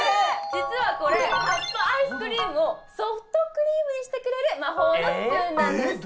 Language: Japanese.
実はこれカップアイスクリームをソフトクリームにしてくれる魔法のスプーンなんですえっ